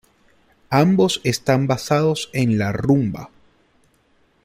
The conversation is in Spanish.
Ambos están basados en la rumba.